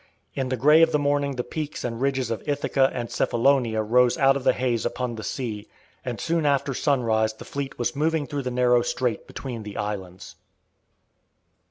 In the grey of the morning the peaks and ridges of Ithaca and Cephalonia rose out of the haze upon the sea, and soon after sunrise the fleet was moving through the narrow strait between the islands.